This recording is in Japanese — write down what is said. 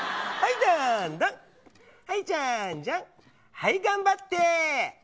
はい、頑張って。